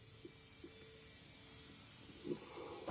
En el mismo edificio vive el artista de Webtoon Oh Jin Rak.